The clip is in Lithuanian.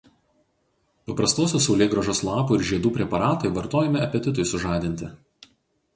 Paprastosios saulėgrąžos lapų ir žiedų preparatai vartojami apetitui sužadinti.